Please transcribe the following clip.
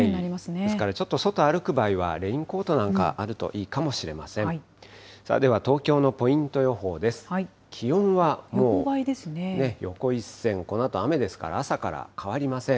ですからちょっと外歩く場合は、レインコートなんかあるといいかもしれません。